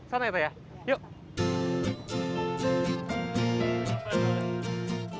sama itu ya yuk